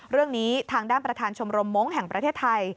เรื่องนี้ทางด้านประธานชมรมมงค์แห่งประเทศไทย